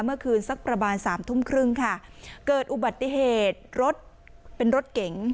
เมื่อคืนสักประมาณสามทุ่มครึ่งค่ะเกิดอุบัติเหตุรถเป็นรถเก๋ง